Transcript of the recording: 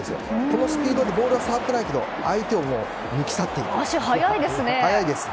このスピードでボールを触っていないけど相手を抜き去っていきます。